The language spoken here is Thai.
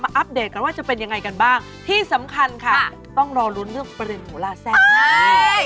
อัปเดตกันว่าจะเป็นยังไงกันบ้างที่สำคัญค่ะต้องรอลุ้นเรื่องประเด็นหมูลาแซ่บให้